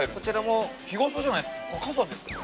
◆傘ですよ。